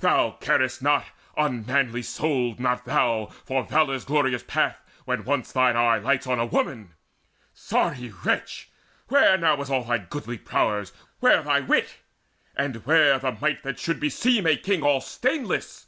Thou carest not, unmanly souled, not thou, For valour's glorious path, when once thine eye Lights on a woman! Sorry wretch, where now Is all thy goodly prowess? where thy wit? And where the might that should beseem a king All stainless?